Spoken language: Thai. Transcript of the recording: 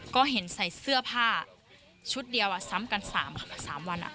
ก็เห็นใส่เสื้อผ้าชุดเดียวซ้ำกัน๓วัน